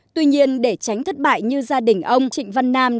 tuy nhiên để tránh thất bại như gia đình ông trịnh văn nam